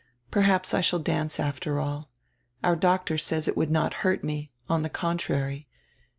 Perhaps I shall dance after all. Our doctor says it would not hurt me; on the contrary.